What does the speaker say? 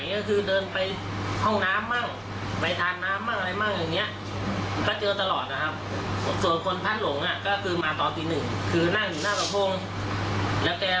ร้อยคือแล้วเองก็ทำเรื่องส่งกลับบ้านเหมือนเดิมนะครับ